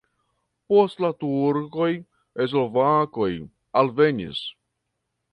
Post la turkoj slovakoj alvenis.